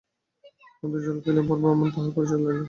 কান্তি জল খাইলে পর ব্রাহ্মণ তাঁহার পরিচয় লইলেন।